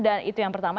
dan itu yang pertama